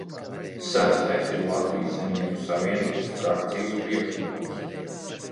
Sestais ir Latvijas Zemnieku savienības frakcijas priekšlikums.